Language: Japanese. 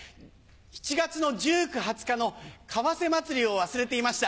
７月の１９２０日の川瀬祭を忘れていました。